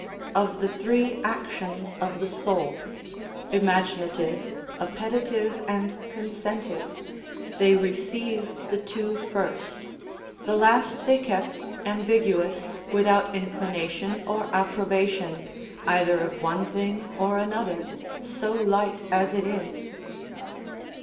Of the three actions of the soul, imaginative, appetitive, and consentive, they receive the two first; the last they kept ambiguous, without inclination or approbation, either of one thing or another, so light as it is.